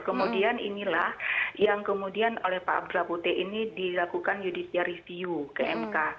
kemudian inilah yang kemudian oleh pak abdullah putih ini dilakukan judisiarisiu ke mk